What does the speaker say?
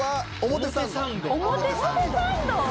表参道？